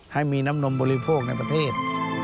ให้มีน้ำนมบริโภคในประเทศ